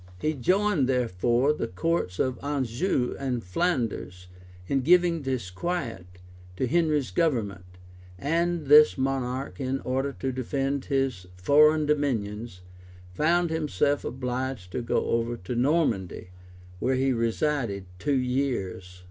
He joined, therefore, the counts of Anjou and Flanders in giving disquiet to Henry's government; and this monarch, in order to defend his foreign dominions, found himself obliged to go over to Normandy, where he resided two years.